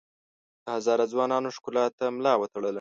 د هزاره ځوانانو ښکار ته ملا وتړله.